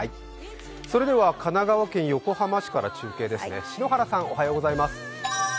それでは神奈川県横浜市から中継ですね、篠原さん。